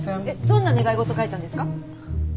どんな願い事書いたんですか？